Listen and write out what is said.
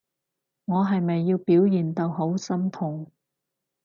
我係咪要表現到好心痛？